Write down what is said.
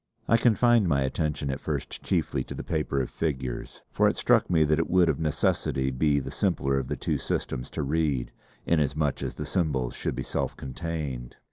I confined my attention at first chiefly to the paper of figures, for it struck me that it would of necessity be the simpler of the two systems to read, inasmuch as the symbols should be self contained.